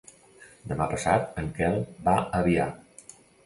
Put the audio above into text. Demà passat en Quel va a Avià.